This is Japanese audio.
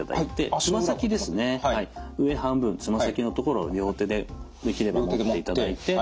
上半分爪先のところを両手でできれば持っていただいて。